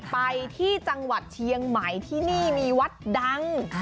ไปที่จังหวัดเชียงใหม่ที่นี่มีวัดดัง